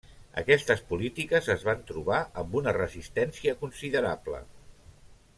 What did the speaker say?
Aquestes polítiques es van trobar amb una resistència considerable.